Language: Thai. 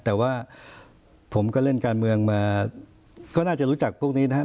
แต่ว่าผมก็เล่นการเมืองมาก็น่าจะรู้จักพวกนี้นะครับ